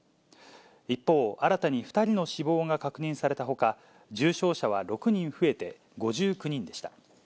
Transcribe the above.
一方、新たに２人の死亡が確認されたほか、重症者は６人増えて５９人でした。